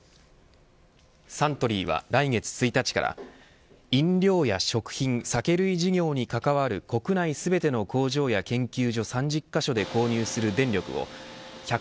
サントリーは来月１日から飲料や食品酒類事業に関わる国内全ての工場や研究所３０カ所で購入する電力を１００％